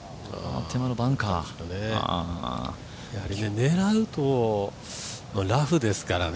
狙うと、ラフですからね